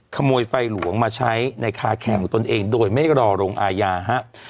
ขโมยไฟหลวงมาใช้ในคาแคร์ของตนเองโดยไม่รอลงอาญาฮะ